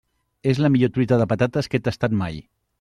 És la millor truita de patates que he tastat mai.